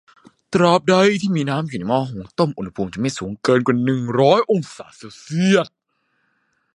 ตราบใดที่มีน้ำอยู่ในหม้อหุงต้มอุณหภูมิจะไม่สูงเกินกว่าหนึ่งร้อยองศาเซลเซียส